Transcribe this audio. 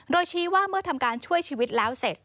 โดยชี้ว่าเมื่อทำการช่วยชีวิตแล้วเสร็จ